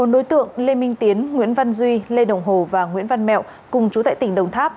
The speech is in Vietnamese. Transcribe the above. bốn đối tượng lê minh tiến nguyễn văn duy lê đồng hồ và nguyễn văn mẹo cùng chú tại tỉnh đồng tháp